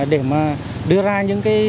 để mà đưa ra những cái